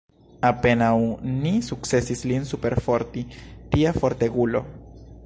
Apenaŭ ni sukcesis lin superforti, tia fortegulo!